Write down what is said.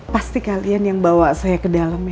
pasti kalian yang bawa saya ke dalam ya